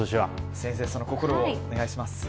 先生、その心をお願いします。